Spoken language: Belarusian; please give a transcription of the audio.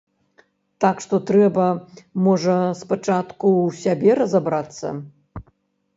Так што трэба, можа, спачатку ў сябе разабрацца?